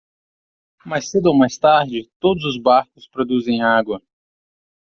Mais cedo ou mais tarde, todos os barcos produzem água.